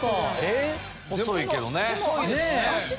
細いけどね。